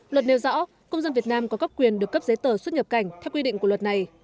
luật nêu rõ công dân việt nam có các quyền được cấp giấy tờ xuất nhập cảnh theo quy định của luật này